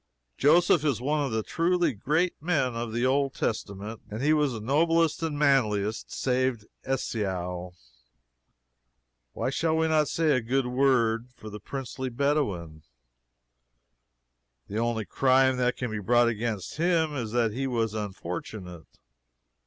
Joseph is one of the truly great men of the Old Testament. And he was the noblest and the manliest, save Esau. Why shall we not say a good word for the princely Bedouin? The only crime that can be brought against him is that he was unfortunate.